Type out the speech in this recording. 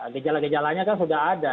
gejala gejalanya kan sudah ada